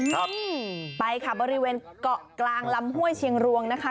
นี่ไปค่ะบริเวณเกาะกลางลำห้วยเชียงรวงนะคะ